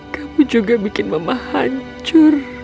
kamu juga bikin mama hancur